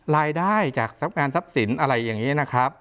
รายได้จากทรัพย์งานทรัพย์สินอะไรอย่างนี้นะครับ